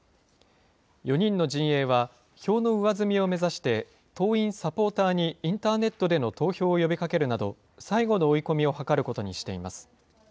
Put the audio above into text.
４人の陣営は、票の上積みを目指して、党員・サポーターにインターネットでの投票を呼びかけるなど、最後の追い込みを図ることにしています。